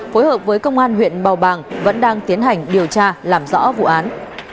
phối hợp với công an huyện bào bàng vẫn đang tiến hành điều tra làm rõ vụ án